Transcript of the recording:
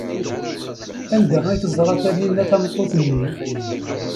Anda ay teẓra Taninna tameṭṭut-nni?